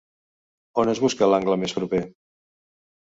On es busca l'angle més proper?